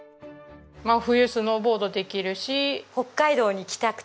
まあ冬スノーボードできるし。